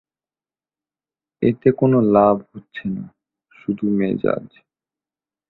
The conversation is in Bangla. এতে কোনো লাভ হচ্ছে না, শুধু মেজাজ।